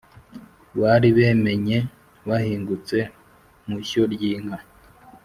baribemennye bahingutse mushyo ryinka